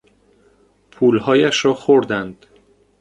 پولهایش را خوردند.